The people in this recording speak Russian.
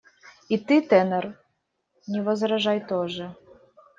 И ты, тенор, не возражай тоже.